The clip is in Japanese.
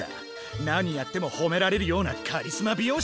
何やってもほめられるようなカリスマ美容師になりたい！